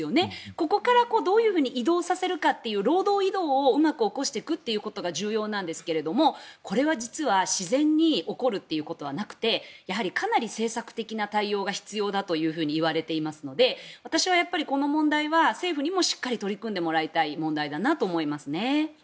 ここからどう移動させるかという労働移動をうまく起こしていくということが重要なんですがこれは実は自然に起こることはなくてかなり政策的な対応が必要だといわれていますので私はこの問題は政府にもしっかり取り組んでもらいたい問題だなと思います。